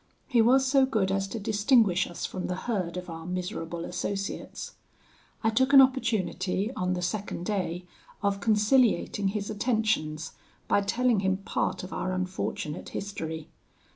He was so good as to distinguish us from the herd of our miserable associates. I took an opportunity, on the second day, of conciliating his attentions, by telling him part of our unfortunate history.